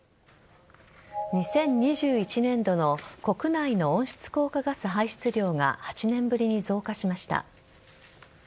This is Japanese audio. ２０２１年度の国内の温室効果ガス排出量が８年ぶりに増加しました。